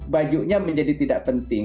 bajunya menjadi tidak penting